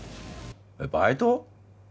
えっバイト？